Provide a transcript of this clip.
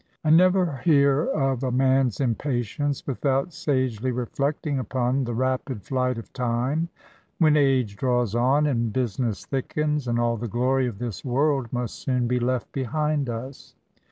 I never hear of a man's impatience without sagely reflecting upon the rapid flight of time, when age draws on, and business thickens, and all the glory of this world must soon be left behind us.